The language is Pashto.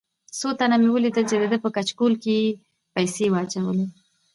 څو تنه مې ولیدل چې دده په کچکول کې یې پیسې واچولې.